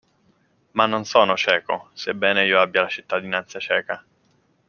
Ma non sono ceco, sebbene io abbia la cittadinanza ceca.